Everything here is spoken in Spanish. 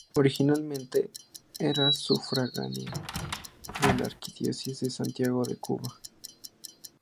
Originalmente era sufragánea de la arquidiócesis de Santiago de Cuba.